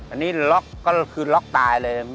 อันนี้ล็อกก็คือล็อกตายเลย